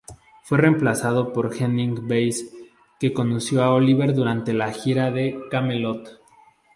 Fue reemplazado por Henning Basse que conoció a Oliver durante la gira de Kamelot.